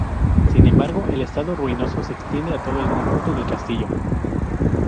Sin embargo, el estado ruinoso se extiende a todo el conjunto del castillo.